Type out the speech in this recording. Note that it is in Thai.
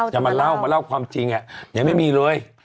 จะมาเล่าความจริงยังไม่มีเลย